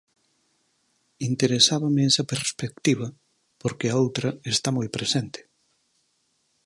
Interesábame esa perspectiva, porque a outra está moi presente.